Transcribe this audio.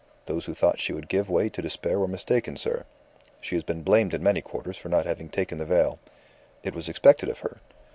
Those who thought she would give way to despair were mistaken, sir. She has been blamed in many quarters for not having taken the veil. It was expected of her.